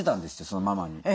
そのママに。